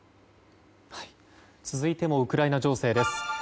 続いてもウクライナ情勢です。